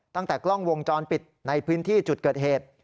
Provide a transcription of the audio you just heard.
ตั้งแต่กล้องวงจรปิดในพื้นที่จุดเกิดเหตุ